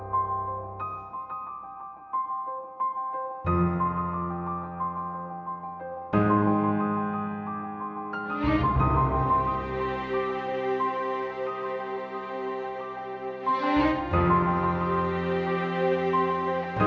sebenernya keisha itu anak siapa